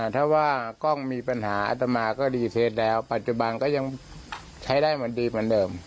ถ้าว่ากล้องมีปัญหาอัตมาก็ดีเทสแล้วปัจจุบันก็ยังใช้ได้เหมือนดีเหมือนเดิม